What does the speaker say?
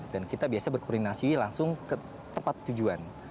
dan kita biasa berkoordinasi langsung ke tempat tujuan